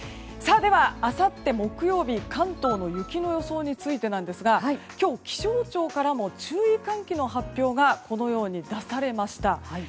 では、あさって木曜日関東の雪の予想についてですが今日、気象庁からも注意喚起の発表がこのように出されました。